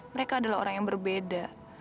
mereka adalah orang yang berbeda